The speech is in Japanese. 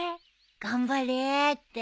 頑張れって？